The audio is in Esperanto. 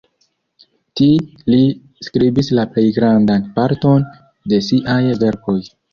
Ti li skribis la plej grandan parton de siaj verkoj.